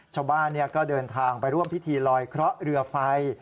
ชาวบ้านก็เดินทางไปร่วมพิธีลอยเคราะห์เรือไฟ